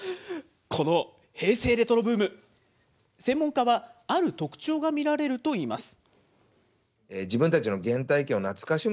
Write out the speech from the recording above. この平成レトロブーム、専門家は、ある特徴が見られるといいます。